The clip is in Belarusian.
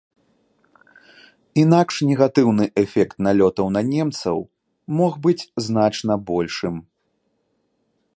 Інакш негатыўны эфект налётаў на немцаў мог быць значна большым.